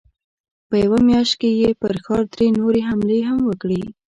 په يوه مياشت کې يې پر ښار درې نورې حملې هم وکړې.